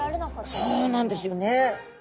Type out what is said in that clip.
そうなんですよね。